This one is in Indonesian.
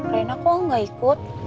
reina kok gak ikut